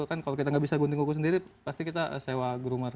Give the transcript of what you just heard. kan kalau kita nggak bisa gunting kuku sendiri pasti kita sewa groomer